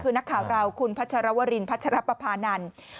คือนักข่าวเราคุณพัชรวรินพัชรปภานันทร์